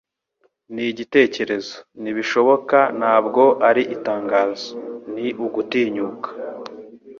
Nigitekerezo. Ntibishoboka ntabwo ari itangazo. Ni ugutinyuka.